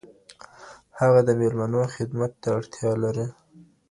هغه د ميلمنو خدمت ته اړتيا لري